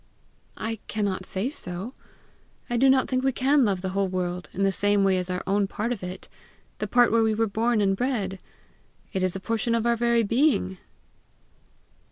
"I cannot say so. I do not think we can love the whole world in the same way as our own part of it the part where we were born and bred! It is a portion of our very being."